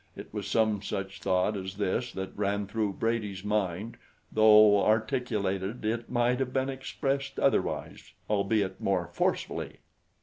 It was some such thought as this that ran through Brady's mind, though articulated it might have been expressed otherwise, albeit more forcefully.